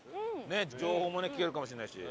情報もね聞けるかもしれないし。